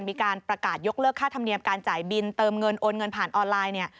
มีการประกาศยกเลิกค่าธรรมเนียมการจ่ายบินเติมเงินโอนเงินผ่านออนไลน์เนี่ย